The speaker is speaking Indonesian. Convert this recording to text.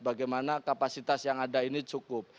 bagaimana kapasitas yang ada ini cukup